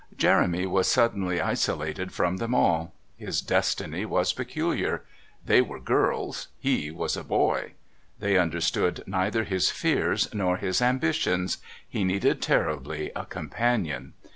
Jeremy was suddenly isolated from them all. His destiny was peculiar. They were girls, he was a boy. They understood neither his fears nor his ambitions; he needed terribly a companion.